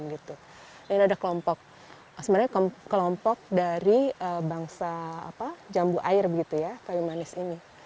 gitu ini ada kelompok sebenarnya kelompok dari bangsa apa jambu air begitu ya kayu manis ini